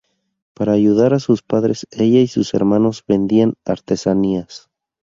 Para ayudar a sus padres, ella y sus hermanos vendían artesanías.